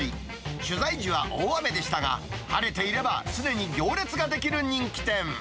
取材時は大雨でしたが、晴れていれば常に行列が出来る人気店。